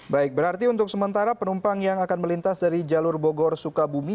baik berarti untuk sementara penumpang yang akan melintas dari jalur bogor sukabumi